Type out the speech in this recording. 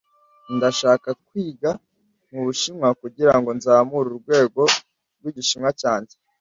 Ndashaka kwiga mubushinwa kugirango nzamure urwego rwigishinwa cyanjye.